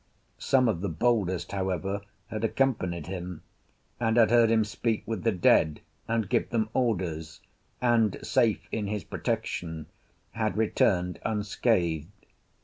Some of the boldest, however, had accompanied him, and had heard him speak with the dead and give them orders, and, safe in his protection, had returned unscathed.